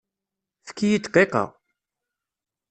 Efk-iyi dqiqa!